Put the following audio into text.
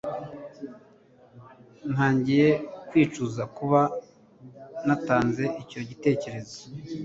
Ntangiye kwicuza kuba natanze icyo gitekerezo